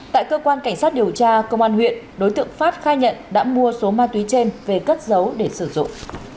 tại cơ quan cảnh sát điều tra công an huyện đối tượng phát khai nhận đã mua số ma túy trên về cất dấu để sử dụng